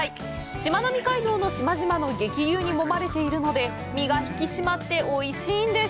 しまなみ海道の島々の激流にもまれているので身が引き締まって、おいしいんです。